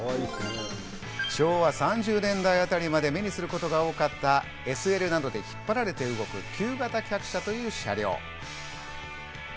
昭和３０年代あたりまで目にすることが多かった、ＳＬなどで引っ張られて動く旧型客車という車両。